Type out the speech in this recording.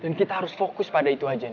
dan kita harus fokus pada itu aja din